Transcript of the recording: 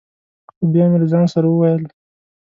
خو بیا مې له ځان سره ویل: